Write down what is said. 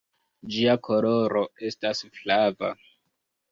Ĝia koloro estas flava.